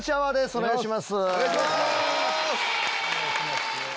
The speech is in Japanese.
お願いします。